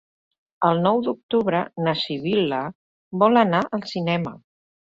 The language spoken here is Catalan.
El nou d'octubre na Sibil·la vol anar al cinema.